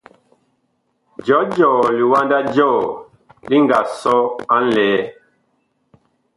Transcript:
Jɔjɔɔ liwanda jɔɔ li nga sɔ a ŋlɛɛ ?